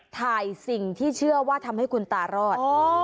สิ่งที่เชื่อว่าทำให้คุณตารอด